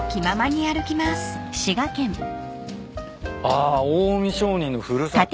あっ「近江商人のふるさと」